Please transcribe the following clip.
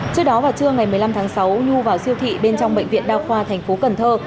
trước đó vào trưa ngày một mươi năm tháng sáu nhu vào siêu thị bên trong bệnh viện đa khoa thành phố cần thơ